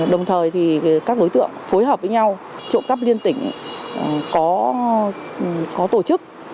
đồng thời thì các đối tượng phối hợp với nhau trộm cắp liên tỉnh có tổ chức